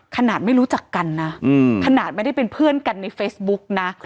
ขนาดไม่รู้จักกันนะขนาดไม่ได้เป็นเพื่อนกันในเฟซบุ๊กนะ